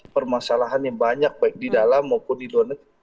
permasalahan yang banyak baik di dalam maupun di luar